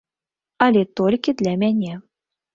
Але толькі для мяне.